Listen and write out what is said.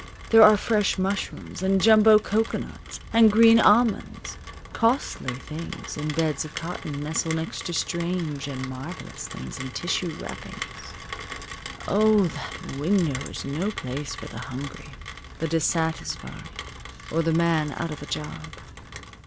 There are fresh mushrooms, and jumbo cocoanuts, and green almonds; costly things in beds of cotton nestle next to strange and marvelous things in tissue, wrappings. Oh, that window is no place for the hungry, the dissatisfied, or the man out of a job.